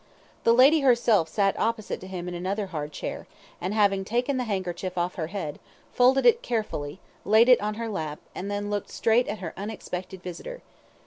The lady herself sat opposite to him in another hard chair, and having taken the handkerchief off her head, folded it carefully, laid it on her lap, and then looked straight at her unexpected visitor.